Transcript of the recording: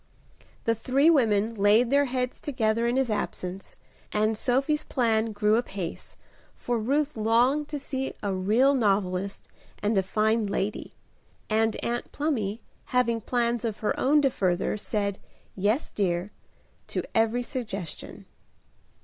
The three women laid their heads together in his absence, and Sophie's plan grew apace, for Ruth longed to see a real novelist and a fine lady, and Aunt Plumy, having plans of her own to further, said "Yes, dear," to every suggestion.